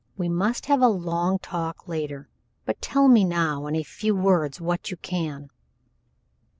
We must have a long talk later but tell me now in a few words what you can."